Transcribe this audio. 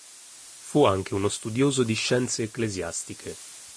Fu anche uno studioso di scienze ecclesiastiche.